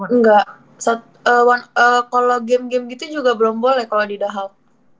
enggak kalau game game gitu juga belum boleh kalau di dahal